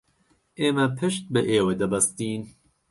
ئێمە پشت بە ئێوە دەبەستین.